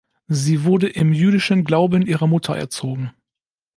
Sie wurde im Jüdischen Glauben ihrer Mutter erzogen.